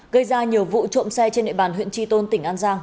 gây ra nhiều vụ trộm xe trên địa bàn huyện tri tôn tỉnh an giang